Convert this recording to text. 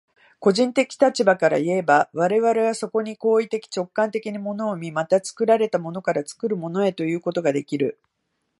個人的立場からいえば、我々はそこに行為的直観的に物を見、また作られたものから作るものへということができる。